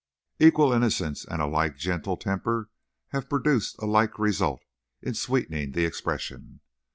Equal innocence and a like gentle temper have produced a like result in sweetening the expression.